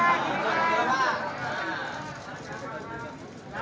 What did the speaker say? berarti orang utara